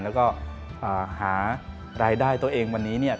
แล้วก็หารายได้ตัวเองวันนี้เนี่ย